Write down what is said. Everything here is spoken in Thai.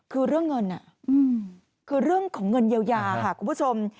คือเรื่องเงินคือเรื่องของเงินเยียวยาค่ะคุณผู้ชม